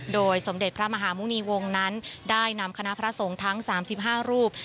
โดยสมเด็จพระมหาหมุณีวงศ์นั้นได้นำคณะพระสงฆ์ทั้ง๓๕รูป